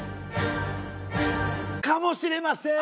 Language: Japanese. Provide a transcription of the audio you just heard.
かもしれません！